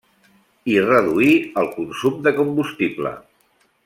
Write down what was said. I reduir el consum de combustible.